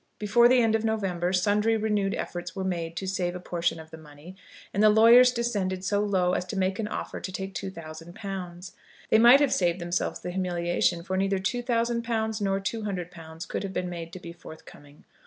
Before the end of November, sundry renewed efforts were made to save a portion of the money, and the lawyers descended so low as to make an offer to take £2000. They might have saved themselves the humiliation, for neither £2000 nor £200 could have been made to be forthcoming.